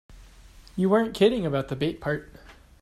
You weren't kidding about the bait part.